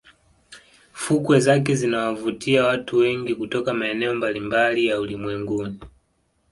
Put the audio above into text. Fukwe zake zinawavutia watu wengi kutoka maeneo mbalimbali ya ulimwengu